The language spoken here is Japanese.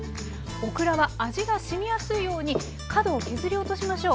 オクラは味がしみやすいように角を削り落としましょう。